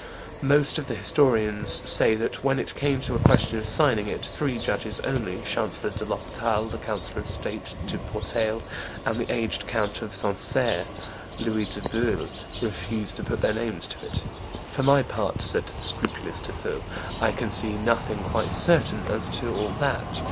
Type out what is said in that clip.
Most of the historians say that, when it came to the question of signing it, three judges only, Chancellor de l'Hospital, the councillor of state, Duportail, and the aged Count of Sancerre, Louis de Bueil, refused to put their names to it. "For my part," says the scrupulous De Thou, "I can see nothing quite certain as to all that.